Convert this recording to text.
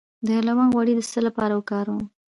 د لونګ غوړي د څه لپاره وکاروم؟